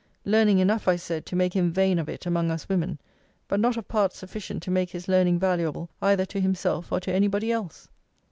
Learning enough, I said, to make him vain of it among us women: but not of parts sufficient to make his learning valuable either to himself or to any body else.